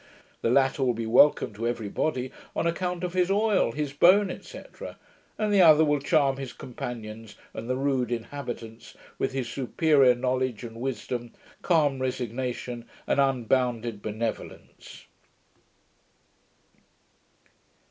The latter will be welcome to every body, on account of his oil, his bone, etc. and the other will charm his companions, and the rude inhabitants, with his superior knowledge and wisdom, calm resignation, and unbounded benevolence.